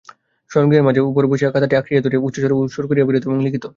শয়নগৃহের মেঝের উপরে বসিয়া খাতাটি আঁকড়িয়া ধরিয়া উচ্চৈঃস্বরে সুর করিয়া পড়িত এবং লিখিত।